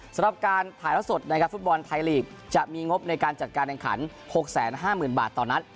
สำหรับการถ่ายละสดนะครับฟุตบอลไทยลีกจะมีงบในการจัดการแข่งขัน๖๕๐๐๐บาทต่อนัด